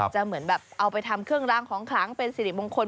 เหมือนแบบเอาไปทำเครื่องรางของขลังเป็นสิริมงคล